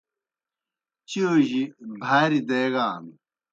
چِیؤ جیْ بھاری دیگان۔